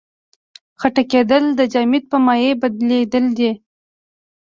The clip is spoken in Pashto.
خټکېدل د جامد په مایع بدلیدل دي.